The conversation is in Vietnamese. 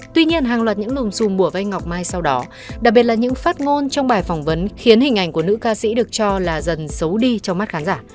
tuy nhiên hàng loạt những lùm xùm mùa vai ngọc mai sau đó đặc biệt là những phát ngôn trong bài phỏng vấn khiến hình ảnh của nữ ca sĩ được cho là dần xấu đi trong mắt khán giả